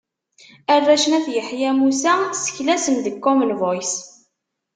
Arrac n At Yeḥya Musa, seklasen deg Common Voice.